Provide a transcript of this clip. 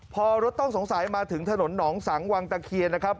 พอรถต้องสงสัยมาถึงถนนหนองสังวังตะเคียนนะครับ